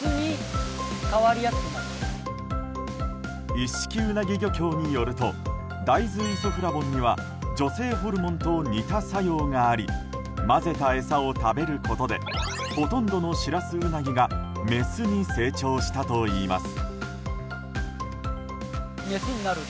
一色うなぎ漁協によると大豆イソフラボンには女性ホルモンと似た作用があり混ぜた餌を食べることでほとんどのシラスウナギがメスに成長したといいます。